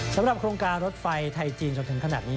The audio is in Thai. สำหรับโครงการรถไฟไทยจีนจนถึงขนาดนี้